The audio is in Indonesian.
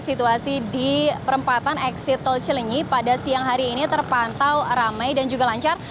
situasi di perempatan eksit tol cilenyi pada siang hari ini terpantau ramai dan juga lancar